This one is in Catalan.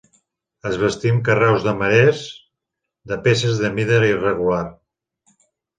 Es bastí amb carreus de marès de peces de mida irregular.